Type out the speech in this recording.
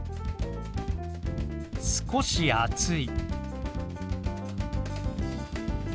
少し暑い。